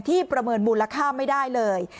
ประเมินมูลค่าไม่ได้เลย